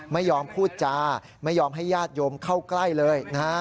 ไม่ยอมพูดจาไม่ยอมให้ญาติโยมเข้าใกล้เลยนะฮะ